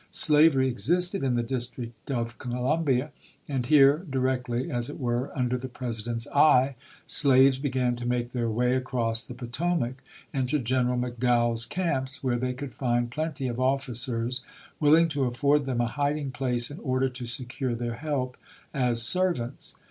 Slavery existed in the District of Columbia ; and here, directly, as it were, under the President's eye, slaves began to make their way across the Potomac into General McDowell's camps, where they could find plenty of officers willing to afford them a hiding place in order to secure their help as servants.